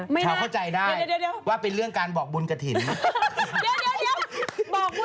หิวข้าวด้วยไงแต่ว่าเออคิดทำบุญกับป้าหน่อยนะเออป่ะ